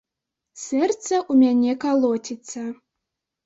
Сэрца ў мяне калоціцца.